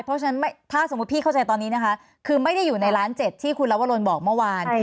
เพราะฉะนั้นถ้าสมมุติพี่เข้าใจตอนนี้นะคะคือไม่ได้อยู่ในล้าน๗ที่คุณลวรนบอกเมื่อวาน